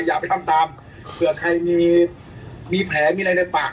อย่าไปทำตามเผื่อใครมีแผลมีอะไรในปาก